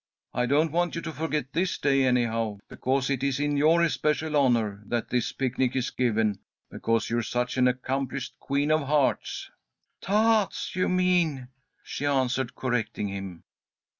I don't want you to forget this day anyhow, because it's in your especial honour that this picnic is given because you're such an accomplished Queen of Hearts." "Tahts you mean," she answered, correcting him.